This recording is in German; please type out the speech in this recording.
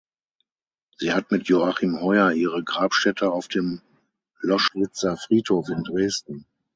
Sie hat mit Joachim Heuer ihre Grabstätte auf dem Loschwitzer Friedhof in Dresden.